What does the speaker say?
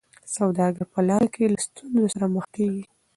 سوداګر په لاره کي له ستونزو سره مخ کیږي.